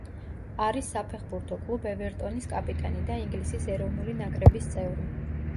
არის საფეხბურთო კლუბ „ევერტონის“ კაპიტანი და ინგლისის ეროვნული ნაკრების წევრი.